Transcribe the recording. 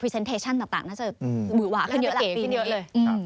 พรีเซ็นเทชั่นต่างน่าจะหวาขึ้นเยอะหลังปีนี้